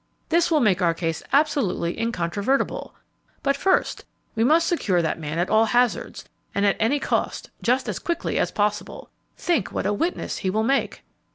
This will make our case absolutely incontrovertible; but, first, we must secure that man at all hazards and at any cost just as quickly as possible; think what a witness he will make!"